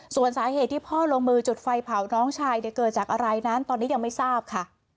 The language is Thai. ส่วนสาเหตุที่พ่อลงมือจุดไฟเผาน้องชายเกิดจากอะไรนั้นตอนนี้ยังไม่ทราบค่ะ